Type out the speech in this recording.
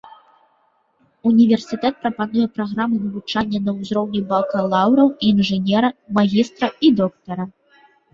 Універсітэт прапануе праграмы навучання на ўзроўні бакалаўра, інжынера, магістра і доктара.